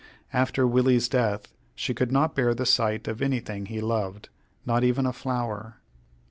After Willie's death, she could not bear the sight of anything he loved, not even a flower.